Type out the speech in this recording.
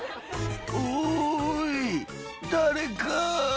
「おい誰か！」